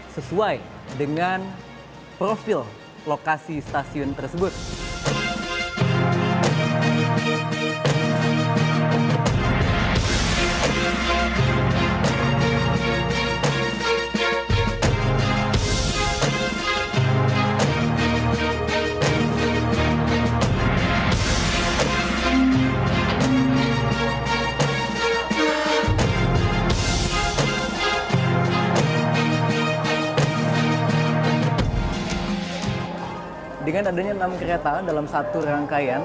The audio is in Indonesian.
pembangunan mass rapid transit jakarta dalam angka